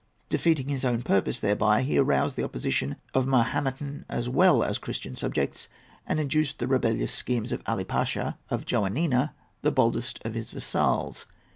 Defeating his own purpose thereby, he aroused the opposition of Mahometan as well as Christian subjects, and induced the rebellious schemes of Ali Pasha of Joannina, the boldest of his vassals.